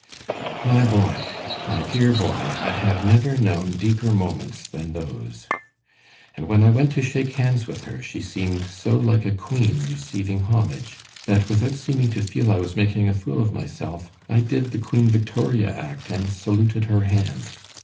"My boy, my dear boy, I have never known deeper moments than those. And when I went to shake hands with her, she seemed so like a queen receiving homage, that without seeming to feel I was making a fool of myself, I did the Queen Victoria act, and saluted her hand.